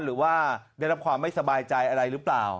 หรือว่าได้รับความไม่สบายใจอะไรหรือเปล่า